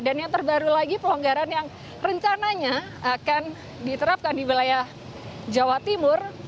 dan yang terbaru lagi pelonggaran yang rencananya akan diterapkan di wilayah jawa timur